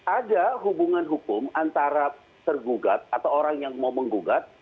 ada hubungan hukum antara tergugat atau orang yang mau menggugat